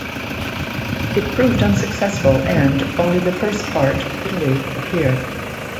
It proved unsuccessful, and only the first part "Italy" appeared.